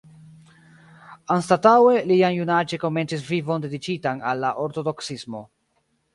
Anstataŭe, li jam junaĝe komencis vivon dediĉitan al la ortodoksismo.